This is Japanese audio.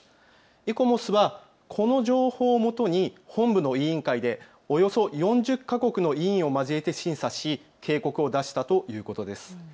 イコモスはこの情報をもとに本部の委員会でおよそ４０か国の委員を交えて審査し警告を出したということです。